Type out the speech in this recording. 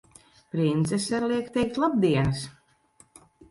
Princese liek teikt labdienas!